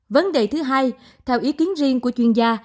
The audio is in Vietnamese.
vấn đề thứ hai theo ý kiến riêng của chuyên gia